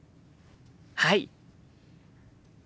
はい。